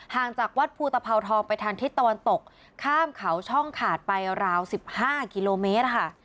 จากวัดภูตภาวทองไปทางทิศตะวันตกข้ามเขาช่องขาดไปราว๑๕กิโลเมตรค่ะ